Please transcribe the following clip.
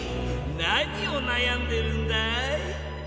何をなやんでるんだい？